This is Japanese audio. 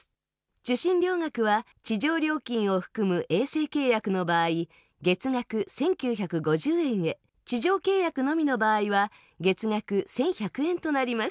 受信料額は地上料金を含む衛星契約の場合月額１９５０円へ地上契約のみの場合は月額１１００円となります。